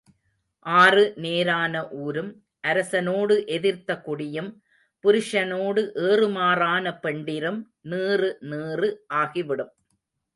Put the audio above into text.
ஆறு நேரான ஊரும், அரசனோடு எதிர்த்த குடியும், புருஷனோடு ஏறு மாறான பெண்டிரும் நீறு நீறு ஆகிவிடும்.